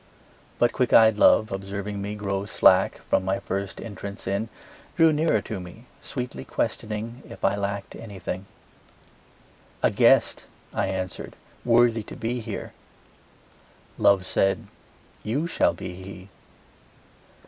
But quick ey'd Love, observing me grow slack From my first entrance in, Drew nearer to me, sweetly questioning, If I lacked anything. A guest, I answer'd, worthy to be here: Love said, You shall be he.